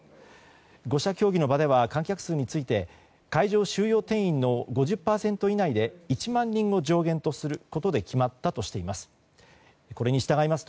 ５者協議の場では観客数について会場収容定員の５０％以内で１万人を上限とすることで決まったとしています。